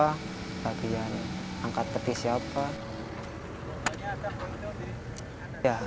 pembagian angkat tepi siapa